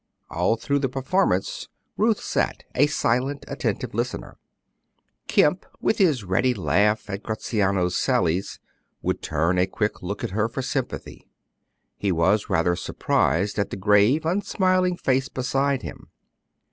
All through the performance Ruth sat a silent, attentive listener. Kemp, with his ready laugh at Gratiano's sallies, would turn a quick look at her for sympathy; he was rather surprised at the grave, unsmiling face beside him.